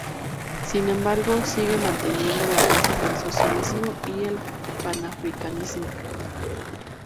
Sin embargo sigue manteniendo las bases del socialismo y el panafricanismo.